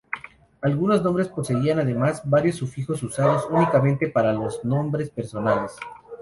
Algunos nombres poseían además varios sufijos usados únicamente para los nombres personales.